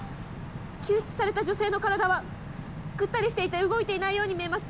救出された女性の体はぐったりしていて動いていないように見えます。